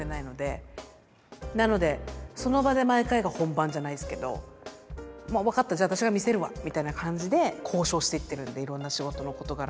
なのでその場で毎回が本番じゃないですけどまあ分かったじゃあ私が見せるわみたいな感じで交渉していってるんでいろんな仕事の事柄を。